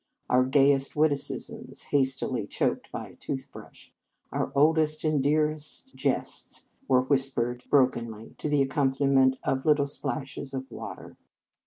Our gay est witticisms, hastily choked by a toothbrush, our oldest and dearest jests were whispered brokenly to the accompaniment of little splashes of water.